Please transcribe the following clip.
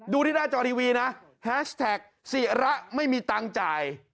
ดูที่หน้าจอทีวีนะแฮชแท็กศิระไม่มีตังค์จ่าย